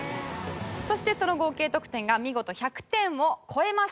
そしてその合計得点が見事１００点を超えますと。